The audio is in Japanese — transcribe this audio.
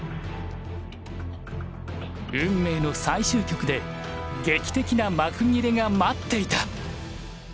運命の最終局で劇的な幕切れが待っていた。